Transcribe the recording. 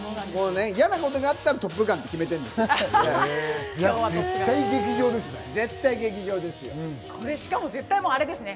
嫌なことがあったら『トップガン』って決絶対劇場ですね。